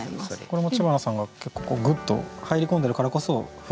これも知花さんが結構グッと入り込んでるからこそ「降ってくる」。